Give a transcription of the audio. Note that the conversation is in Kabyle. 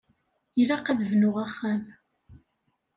Ilaq ad d-bnuɣ axxam.